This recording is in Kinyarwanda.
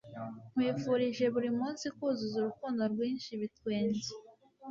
nkwifurije burimunsi kuzura urukundo rwinshi, ibitwenge